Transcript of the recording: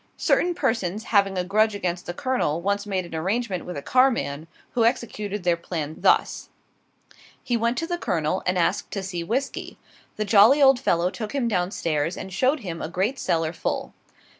Certain persons having a grudge against the Colonel, once made an arrangement with a carman, who executed their plan, thus: He went to the Colonel, and asked to see whisky. The jolly old fellow took him down stairs and showed him a great cellar full.